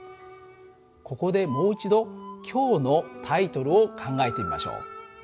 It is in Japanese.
ここでもう一度今日のタイトルを考えてみましょう。